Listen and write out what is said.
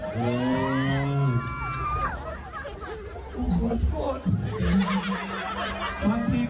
ผมขอโทษบางทีก็จะไปท้าคนจริง